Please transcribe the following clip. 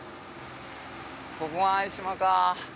ここが相島か。